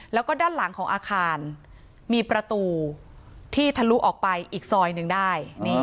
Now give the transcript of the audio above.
แล้วก็ด้านหลังของอาคารมีประตูที่ทะลุออกไปอีกซอยหนึ่งได้